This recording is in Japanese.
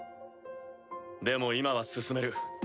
でも今は進める。